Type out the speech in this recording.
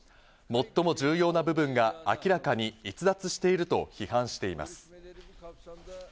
最も重要な部分が明らかに逸脱していると批判しています。